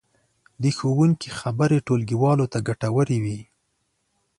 د ښوونکي خبرې ټولګیوالو ته ګټورې وې.